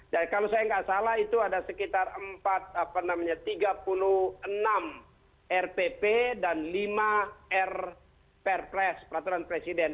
dan kalau saya nggak salah itu ada sekitar empat apa namanya tiga puluh enam rpp dan lima rppr peraturan presiden